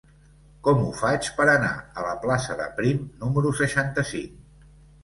Com ho faig per anar a la plaça de Prim número seixanta-cinc?